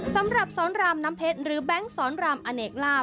สำหรับสอนรามน้ำเพชรหรือแบงค์สอนรามอเนกลาบ